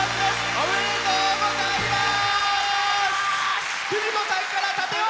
おめでとうございます。